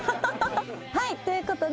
はいということで。